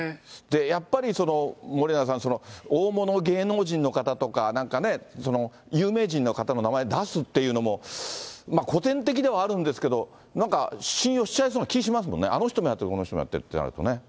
やっぱり森永さん、大物芸能人の方とか、なんかね、有名人の方の名前出すっていうのも、古典的ではあるんですけど、なんか信用しちゃいそうな気しますもんね、あの人もやって、この人もやってということになるとね。